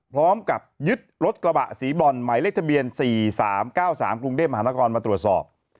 พร้อมกับยึดรถกระบะสีบรอนหมายเลขทะเบียน๔๓๙๓กรุงเทพมหานครมาตรวจสอบ